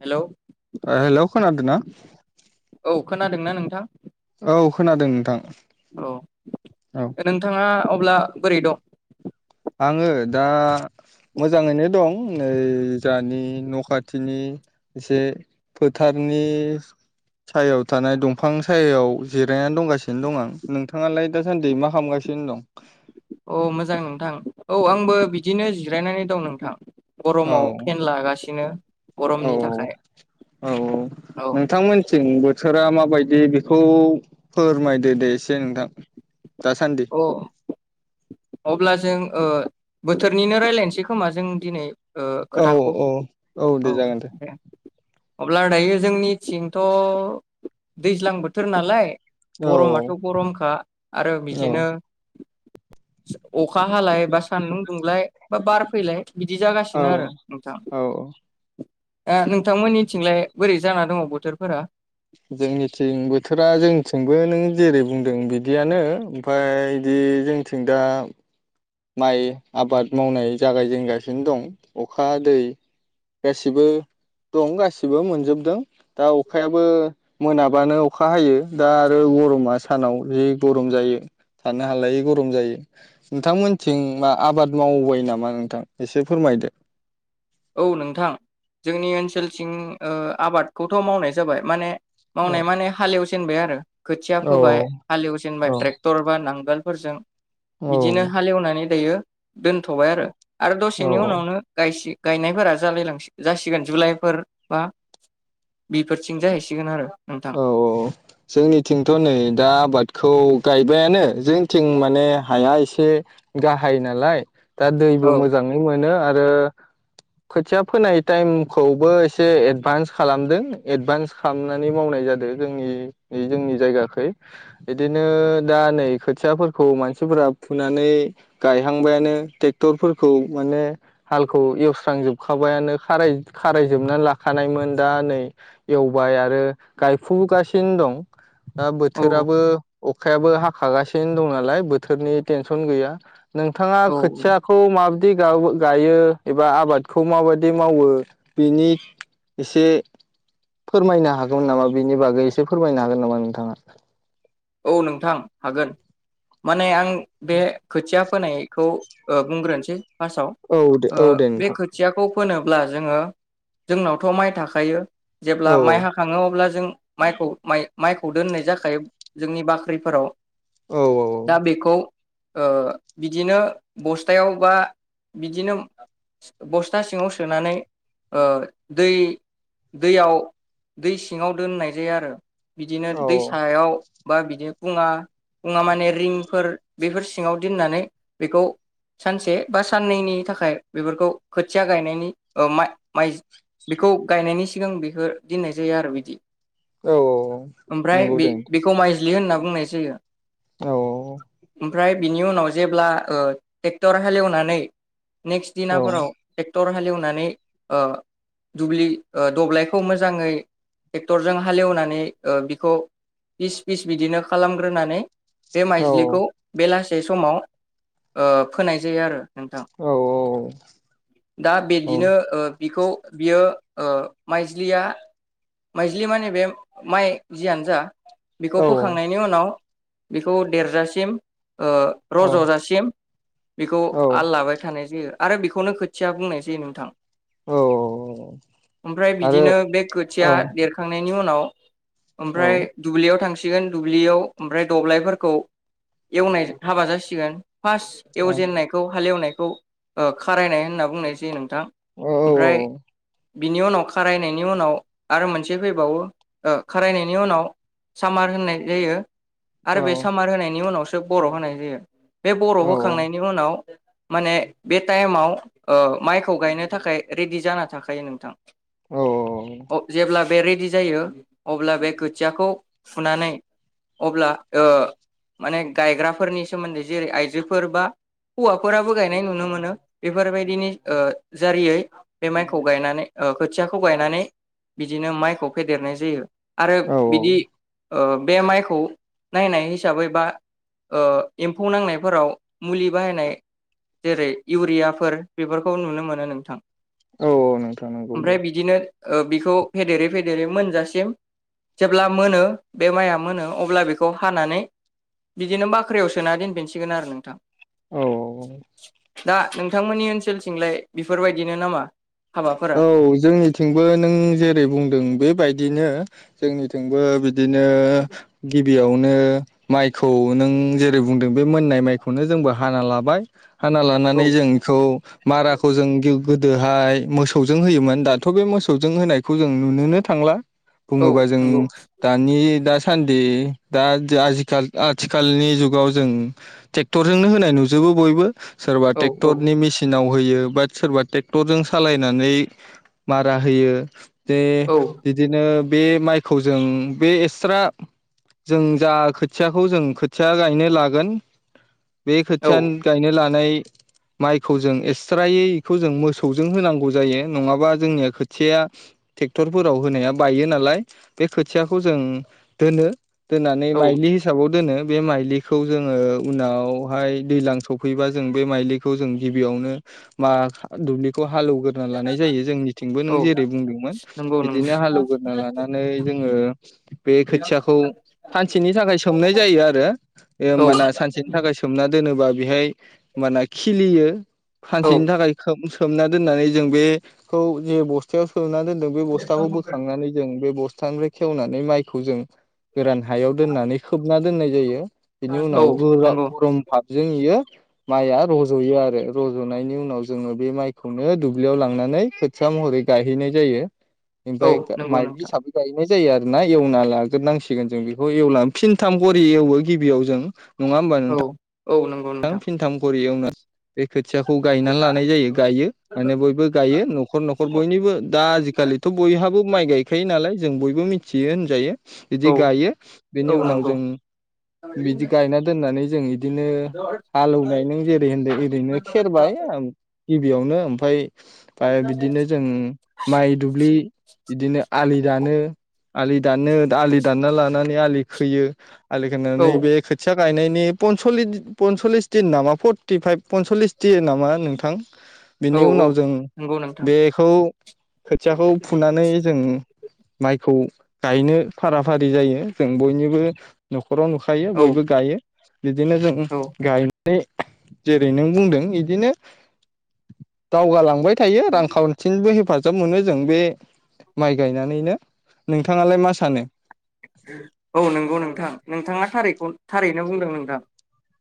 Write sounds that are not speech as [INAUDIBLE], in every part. hello आ hello खोनादों ना औ खोनादोंना नोंथां औ खोनादों नोंथां औ औ नोंथाङा अब्ला बोरै दं आङो दा मोजाङैनो दं नै जानि न' खाथिनि एसे फोथारनि सायाव थानाय दंफां सायायाव जिरायनानै दंगासिनो दं आं नोंथाङालाय दासान्दि मा खालामगासिनो दं औ मोजां नोंथां औ आंबो बिदिनो जिरायनानै दं नोंथां औ गरमाव फेन लागासिनो औ गरमनि थाखाय औ थिं बोथोरा माबायदि बेखौ फोरमायदो दे एसे नोंथां दासान्दि औ अब्ला जों ओ बोथोरनिनो रायलायनोसै खोमा जों दिनै ओ औ खोथाखौ औ औ दे जागोन दे अब्ला दायो जोंनिथिंथ' दैज्लां बोथोर नालाय औ गरमाथ' गरमखा आरो औ बिदिनो अ खा हालाय बा सान्दुं दुंलाय बा बार फैलाय बिदि औ जागासिनो आरो नोंथां औ ओ नोंथांमोननिथिंलाय बोरै जाना दङ बोथोरफोरा जोंनिथिं बोथोरा जोंनिथिंबो नों जेरै बुंदों बिदियानो ओमफ्राय बिदि जोंनिथिं दा माइ आबाद मावनाय जागायजेनगासिनो दं अखा दै गासिबो दं गासिबो मोनजोबदों दा अखायाबो मोनाबानो अखा हायो दा आरो गरमा सानाव जि गरम जायो थानो हालायै गरम जायो नोंथांमोन थिं मा आबाद मावबाय नामा नोंथां एसे फोरमायदो औ नोंथां जोंनि ओनसोलथिं ओ आबादखौथ' मावनाय जाबाय माने औ मावनाय माने हालेव जेनबाय आरो खोथिया औ फोबाय हालेवजेनबाय औ ट्रेक्टर बा नांगोल फोरजों औ बिदिनो हालेवनानै जायो दोनथ'बाय आरो आरो औ दसेनि औ उनावनो गायसे गायनायफोरा जालाय लांसि जासिगोन जुलाइफोर बा बेफोरथिं जाहैसिगोन आरो नोंथां औ औ जोंनिथिंथ' नै दा आबादखौ गायबायानो जोंथिं माने हाया एसे गाहाय नालाय दा दैबो औ मोजाङै मोनो आरो खोथिया फोनाय टाइमखौबो एसे एडभान्स खालामदों एडभान्स खालामना नै मावनाय जादों जोंनि जोंनि जायगाखै इदिनो दा नै खोथियाफोरखौ मानसिफोरा फुनानै गायहांबायानो ट्रेक्टरफोरखौ माने हालखौ एवस्रांजोबखाबायानो खाराय खारायजोबनानै लाखानायमोन दा नै एवबाय आरो गायफुगासिनो दं दा औ बोथोराबो अखायाबो हाखागासिनो दं नालाय बोथोरनि टेनसन गैया नोंथाङा औ खोथियाखौ माब खि गावो गायो एबा आबादखौ माबाददि मावो बिनि एसे फोरमायनो हागोन नामा बेनि बागै एसे फोरमायनो हागोन नामा नोंथाङा औ नोंथां हागोन माने आं बे खोथिया फोनायखौ ओ बुंग्रोनोसै फासाव औ दे ओ औ दे बे नोंथां खोथियाखौ फोनोब्ला जोङो जोंनावथ' माइ थाखायो औ जेब्ला माइ औ हाखङो अब्ला जों माइखौ माइखौ दोननाय जाखायो जोंनि बाख्रिफोराव औ दा बेखौ ओ बिदिनो बस्थायाव बा बिदिनो बस्था सिङाव सोनानै ओ दै दैयाव दै सिङाव दोननाय जायो आरो बिदिनो औ दै सायाव बा बिदि फुङा फुङा माने रिंफोर बेफोर सिङाव दिननानै बेखौ सानसे बा साननैनि थाखाय बेफोरखौ खोथिया गायनायनि ओ मा माइ बेखौ गायनायनि सिगां बेफोर दोननाय जायो आरो बिदि औ औ नोंगौ दे नोंथां खौ माइज्लि होनना बुंनाय जायो औ ओमफ्राय बिनि उनाव जेब्ला ओ ट्रेक्टर हालेवनानै नेक्स्ट औ दिनाफोराव टेक्टर हालेवनानै ओ दुब्लि ओ दब्लायखौ मोजाङै टेक्टरजों हालेवनानै बिखौ पिस पिस बिदिनो खालामग्रोनानै बे औ माइजलिखौ बेलासि से समाव ओ फोनाय जायो आरो नोंथां औ दा औ बिदिनो ओ बिखौ बियो ओ माइज्लिया माइज्लि माने बे माइ जियानो जा बेखौ फोखांनायनि उनाव बेखौ देरजासिम ओ औ रजजासिम बेखौ औ आल लाबाय थानाय जायो आरो बेखौनो खोथिया बुंनाय जायो नोंथां ओमफ्राय आरो बिदिनो बे औ थिया देरखांनायनि उन उनाव औ ओमफ्राय दुब्लियाव थांसै सिगोन दुब्लियाव ओमफ्राय दब्लायफोरखौ एवनायजों हाबा जासिगोन फार्स एवजेननायखौ हालेवनाय खारायनाय होनना बुंनाय जायो नों थां औ औ ओमफ्राय बिनि उनाव खारायनायनि उनाव आरो मोनसे फैबावो खारायनायनि उनाव सामार होननाय जायो आरो बे सामार होनायनि उनावसो सोब बर' होनाय जायो बे बर' औ होखांनायनि उनाव माने बे टाइमाव ओ माइखौ गायनो थाखाय रेडि जाना थाखायो नोंथां औ औ जेब्ला बे रेडि जायो अब्ला बे खोथियाखौ फुनानै अब्ला ओ माने गायग्राफोरनि सोमोन्दै जेरै आइजोफोर बा हौवाफोराबो गायनाय नुनो मोनो बेफोरबायदिनि ओ जारियै बे माइखौ गायनानै ओ खोथियाखौ गायनानै बिदिनो माइखौ फेदेरनाय जायो आरो औ बिदि ओ बे माइखौ नायनाय हिसाबै बा ओ एम्फौ नांनायफोराव मुलि बाहायनाय जेरै इउरियाफोर बेफोरखौ नुनो मोनो नोंथां औ औ नोंथां नंगौ ओमफ्राय दे बिदिनो ओ बिखौ फेदेरै फेदेरै मोनजासिम जेब्ला मोनो बे माइया मोनो अब्ला बेखौ हानानै बिदिनो बाख्रियाव सोना दोनफिनसिगोन आरो नोंथां औ औ औ दा नोंथांमोननि ओनसोलथिंलाय बेफोरबायदिनो नामा हाबाफोरा औ जोंनिथिं नों जेरै बुंदों बेबायदिनो जोंनिथिंबो बिदिनो गि बेयावनो माइखौ नों जेरै बुंदों बे मोननाय माइखौनो जोंबो हाना लाबाय हाना औ लानानै जों इखौ माराखौ जों गोदोहाय मोसौजों होयोमोन दाथ' बे मोसौजों होनायखौ जों नुनोनो थांला औ बुङोबा जों नंगौ दानि दा सान्दि दा आजिखाल आथिखालनि जुगाव जों टेक्टरजोंनो होनाय नुजोबो बयबो सोरबा औ औ टेक्टरनि मेसिनाव होयो बा सोरबा टेक्टरजों सालायनानै मारा होयो बे औ बिदिनो बे माइखौ जों बे एसरा जों जा खोथियाखौ जों खोथिया गायनो लागोन बे औ खोथियानो गायनो लानाय माइखौ जों एसरायै इखौ जों मोसौ जों होनांगौ जायो नङाबा जोंनिया खोथिया टेक्टरफोराव होनाया बायो नालाय बे खोथियाखौ जों दोनो दोननानै औ माइलि हिसाबाव दोनो बे माइलिखौ जोङो उनावहाय दैलां सफैबा जों बे माइलिखौ जों गिबियावनो मा दुब्लि हालौग्रोना लानाय जायो जोंनिथिंबो नों औ जेरै बुंदोंमोन नंगौ नंगौ बिदिनो हालौग्रोना लानानै जोङो बे खोथियाखौ सानसेनि थाखाय सोमनाय जायो आरो बे औ ओमबाना सानसेनि थाखाय सोमना दोनोबा बेहाय ओमबाना खिलियो औ सानसेनि थाखाय खोम-सोम सोमना दोननानै जों बेखौ जे बस्थायाव सोमना दोन दों बे बस्थाखौ बोखांनानै जों बे ब थानिफ्राय खेवनानै माइखौ जों गोरान हायाव दोननानै खोब ना दोननाय जायो बिनि उनाव औ [UNINTELLIGIBLE] नंगौ गरम फा जोंयो माइआ रज'यो आरो रज'नायनि उनाव जोङो बे माइ खौनो दुब्लियाव लांनानै खोथिया महरै गायहैनाय जायो औ ओमफ्राय नंगौ नोंथां माइ [UNINTELLIGIBLE] जायो आरोना एवना लाग्रोनांसिगोन जों बेखौ एवला‌ फिनथाम खरि एवो गिबियाव जों नङा होमबा औ नोंथां औ नंगौ थाम नोंथां फिनथाम खरियाव [UNINTELLIGIBLE] खोथियाखौ गायना लानाय जायो गायो माने बयबो गायो न'खर न'खर बयनिबो दा आजिखालिथ' बयहाबो माइ गायखायो नालाय जों बयबो मिथियो होनजायो बिदि औ गायो बेनि औ उनाव नंगौ जों बिदि गायना दोननानै जों इदिनो हालौवनाय नों जेरै होनदों ओरैनो खेरबाय ओम गिबियावनो ओमफ्राय बिदिनो जों माइ दुब्लि इदिनो आलि दानो आलि दानो आलि दानना लानानै आलि खोयो आलिखोनो औ नैबे खोथिया गायनायनि पनसलि पनसललिस दिन नामा फर्टिफाइभ पनसलिस दिन नामा नोंथा औ बेनि उनाव जों नंगौ नोंथां बेखौ खोथियाखौ फुनानै जों माइखौ गायनो फारा फारि जायो जों बयनिबो नख न'खराव नुखायो औ बयबो गायो बिदिनो जों औ जेरै नों बुंदों इदिनो दावगालां थांबाय थायो रांखान्थिनिबो हेफाजाब जोब मोनो जों बे माइ गायनानैनो नोंथाङालाय मा सानो औ नंगौ नोंथां नोंथाङा थारैखौ थारैनो बुंदों नोंथां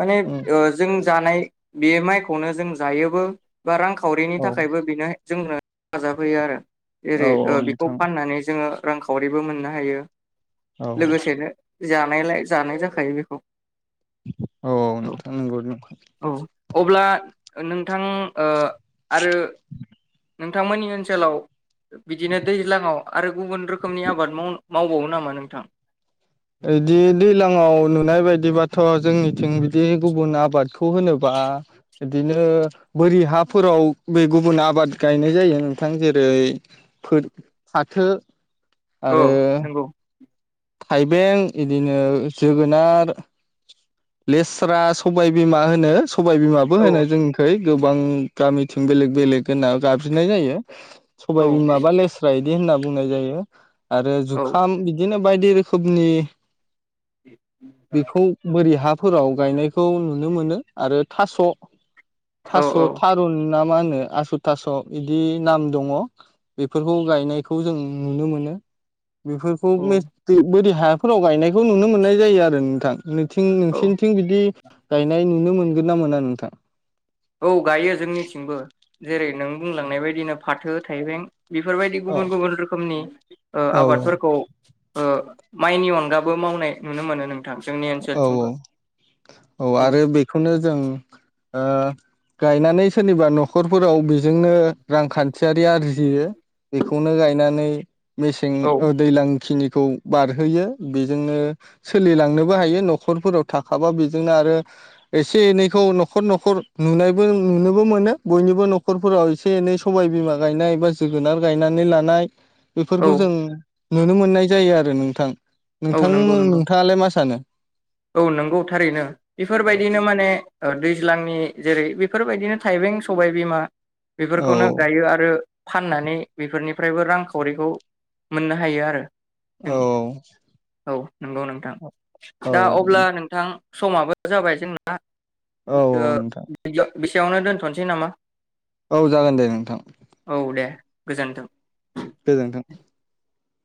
माने ओ जों जानाय बे माइखौनो जों जायोबो बा रांखावरिनि औ थाखायबो बेनो जोंनो हेफाजाब होयो आरो औ जेरै औ बेखौ नोंथां फाननानै जोङो रांखावरिबो मोननो हायो औ लोगोसेनो जानायलाय जानाय जाखायो बेखौ औ नोंथां नंगौ नों औ अब्ला नोंथां ओ आरो नोंथांमोननि ओनसोलाव बिदिनो दैज्लाङाव आरो गुबुन रोखोमनि आबाद माव मावबावो नामा नोंथां बिदि दैलांआव नुनाय बायदिबाथ' थ' जोंनिथिं बिदि गुबुन आबादखौ होनोबा बिदिनो बोरि हाफोराव बे गुबुन आबाद गायनाय जायो नोंथां जेरै फाथो औ आरो नंगौ थाइबें बिदिनो जोगोनार लेस्रा सबाय बिमा होनो सबाय बिमाबो औ होनाय जोंखै गोबां गामिथिं बेलेग बेलेग होनना गाबज्रिनाय जायो औ सबाय बिमाबा लेस्रा बि होनना बुंनाय जायो आरो औ जुखाम बिदिनो बायदि रोखोमनि बेखौ बोरै हाब फोराव गायनायखौ नुनो मोनो आरो थास' औ थास' थारुन ना मा होनो आसु थास' बिदि नाम दङ बेफोरखौ गायनायखौ जों नुनो मोनो बेफोरखौ बोरै हाफोराव गायनायखौ नुनो मोननाय जायो आरो नोंथां थिं औ नोंसोरनिथिं बिदि गायनाय नुनो मोनगोन ना मोना नोंथां औ गायो जोंनिथिंबो जेरै नों बुंलांनाय बायदिनो फाथो थाइबें बेफोरबायदि औ गुबुन गुबुन रोखोमनि औ आबादफोरखौ माइनि अनगाबो मावनाय नुनो मोनो जोंनि औ ओनसोलथिंबो औ औ आरो बेखौनो जों ओ गायनानै सोरनिबा न'खरफोराव जोंनो रांखान्थियारि आरजियो बेखौनो गायनानै मेसें औ ओ दैज्लां खिनि खौ बारहोयो बेजोंनो सोलिलांनो बो हायो न'खरफोराव थाखाबा बेजोंनो आरो एसे एनैखौ न'खर न'खर नुनायबो नुनोबो मोनो बयनिबो न'खरफोराव एसे एनै सबाय बिमा गायनाय बा जोगोनार गायनानै लानाय औ बेफोरखौ जों नुनो मोननाय जायो आरो नोंथां औ नोंथां नंगौ नंगौ नोंथाङालाय मा सानो औ नंगौ थारैनो औ बेफोरबायदिनो माने ओ दैज्लांनि जेरै बेफोरबायदिनो थाइबें सबायबिमा औ बेफोरखौनो गायो आरो फाननानै बेफोरनिफ्रायबो रांखावरिखौ मोननो हायो आरो जों औ औ नंगौ नोंथां औ दा अब्ला नोंथां समाबो जाबाय जोंना औ ओ नोंथां बेसेयावनो दोनथ'नोसै नामा औ जागोन दे नोंथां औ दे गोजोन्थों गोजोनथों